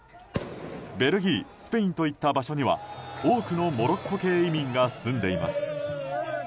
ベルギースペインといった場所には多くのモロッコ系移民が住んでいます。